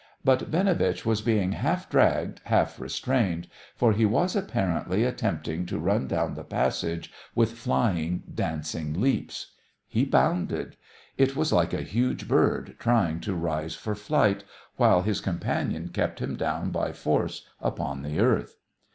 But Binovitch was being half dragged, half restrained, for he was apparently attempting to run down the passage with flying, dancing leaps. He bounded. It was like a huge bird trying to rise for flight, while his companion kept him down by force upon the earth.